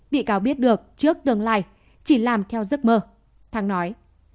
bị cáo biết được trước tương lai chỉ làm theo giấc mơ thang nói